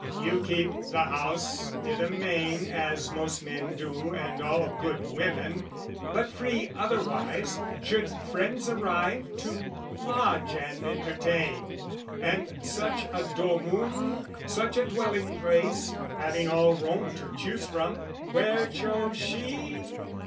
You keep the house i' the main, as most men do And all good women: but free otherwise, Should friends arrive, to lodge and entertain. And such a domum, such a dwelling place, Having all Rome to choose from, where chose she?